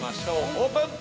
オープン！